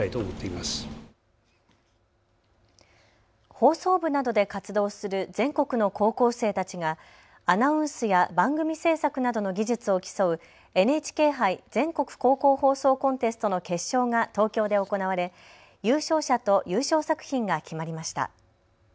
放送部などで活動する全国の高校生たちがアナウンスや番組制作などの技術を競うＮＨＫ杯全国高校放送コンテストの決勝が東京で行われ優勝者と優勝作品が決まりました。